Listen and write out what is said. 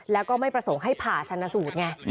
แล้วก็ไม่ประสงค์ให้ผ่าชนสูตรไง